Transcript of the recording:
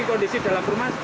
tadi kondisi dalam rumah gimana